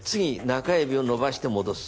中指を伸ばして戻す。